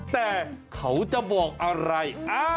แต่เขาจะบอกอะไร